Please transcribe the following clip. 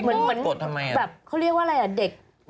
ไม่โกรธโกรธทำไมอ่ะเขาเรียกว่าอะไรอ่ะเด็ก